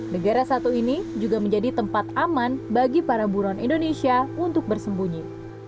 negara satu ini juga menjadi tempat aman bagi para buron indonesia untuk bersembunyi